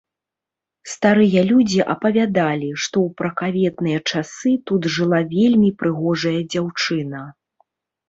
Старыя людзі апавядалі, што ў пракаветныя часы тут жыла вельмі прыгожая дзяўчына.